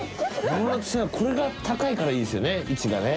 これが高いからいいですよね。